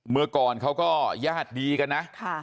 เมื่อก่อนเขาก็ญาติดีกันนะ